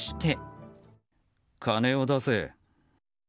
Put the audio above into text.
金を出せ。